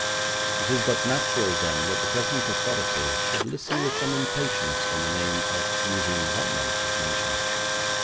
It is but natural, then, that the present authorities should listen with some impatience when the name of Eugène Valmont is mentioned.